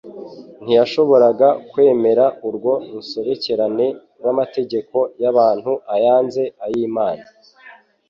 ntiyashoboraga kwemera urwo rusobekerane rw'amategeko y'abantu ayanze n'ay'Imana.